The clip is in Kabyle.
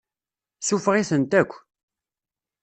Suffeɣ-itent akk.